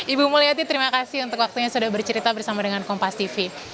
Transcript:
ibu mulyati terima kasih untuk waktunya sudah bercerita bersama dengan kompas tv